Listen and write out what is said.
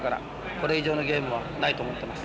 これ以上のゲームはないと思ってます。